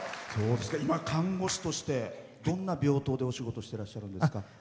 今、看護師としてどんな病棟でお仕事してらっしゃるんですか？